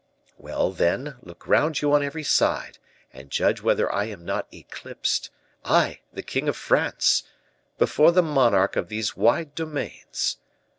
Well, then, look round you on every side, and judge whether I am not eclipsed I, the king of France before the monarch of these wide domains.